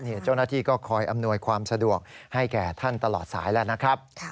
เจ้าหน้าที่ก็คอยอำนวยความสะดวกให้แก่ท่านตลอดสายแล้วนะครับ